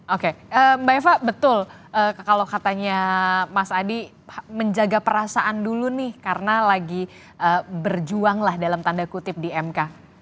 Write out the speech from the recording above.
oke mbak eva betul kalau katanya mas adi menjaga perasaan dulu nih karena lagi berjuanglah dalam tanda kutip di mk